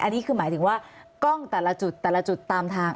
อันนี้คือหมายถึงว่ากล้องแต่ละจุดแต่ละจุดตามทาง